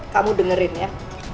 kamu dengerin ya